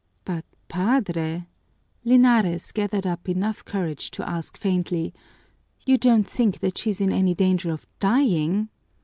"But, Padre," Linares gathered up enough courage to ask faintly, "you don't think that she's in any danger of dying?"